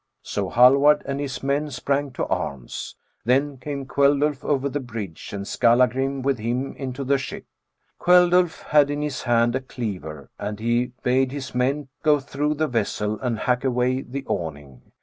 So Hallvard and his men sprang to arms. Then came Kveldulf over the bridge and Skallagrim with him into the ship. Kveldulf had in his hand a cleaver, and he bade his men go through the vessel and hack away the awning.